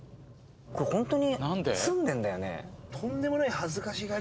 これほんとに住んでんだよね？